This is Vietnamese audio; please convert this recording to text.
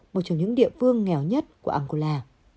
một trong những địa phương nghèo nhất của angola